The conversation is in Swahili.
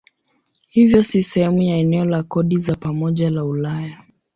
Hivyo si sehemu ya eneo la kodi za pamoja la Ulaya.